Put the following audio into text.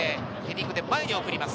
ヘディングで前に送ります。